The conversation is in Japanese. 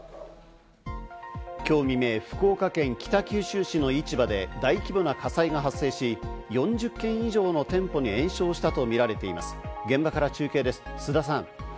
今日未明、福岡県北九州市の市場で大規模な火災が発生し、４０軒以上の店舗に延焼したとみられています。